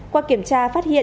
qua kiểm tra phát hiện